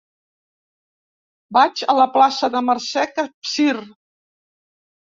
Vaig a la plaça de Mercè Capsir.